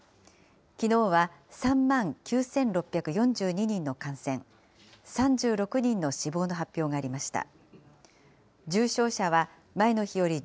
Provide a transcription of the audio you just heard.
きのうは、３万９６４２人の感染、３６人の死亡の発表がありました。